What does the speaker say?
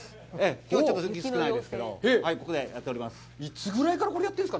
きょうはちょっと雪が少ないですけど、ここでやっております。